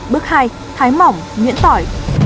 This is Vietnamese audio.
bước hai thái mỏng nhuyễn tỏi